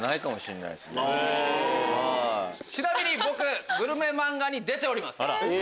⁉ちなみに僕グルメ漫画に出ております。